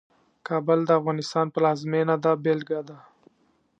کابل د افغانستان پلازمېنه ده بېلګه ده.